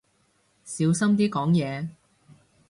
小心啲講嘢